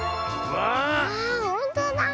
わあほんとだ。